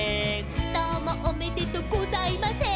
「どうもおめでとうございません」